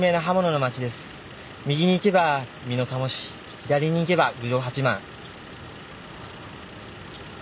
右に行けば美濃加茂市左に行けば郡上八幡。